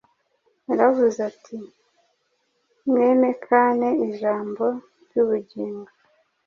Yaravuze ati, “Mwerekane ijambo ry’ubugingo;